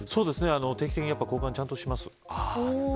定期的に交換はちゃんとします。